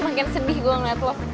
makin sedih gue ngeliat love